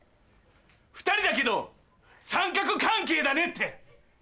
２人だけど三角関係だねって。